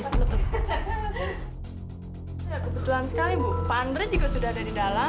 kebetulan sekali bu pak andre juga sudah ada di dalam